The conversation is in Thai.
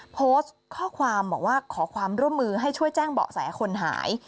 โพสต์ข้อความบอกว่าขอความร่วมมือให้ช่วยแจ้งเบาะแสคนหาย